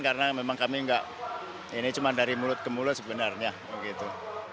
karena memang kami nggak ini cuma dari mulut ke mulut sebenarnya begitu